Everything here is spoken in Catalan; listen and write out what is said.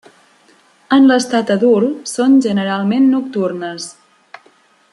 En l'estat adult són generalment nocturnes.